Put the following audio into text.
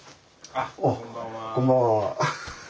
あこんばんは。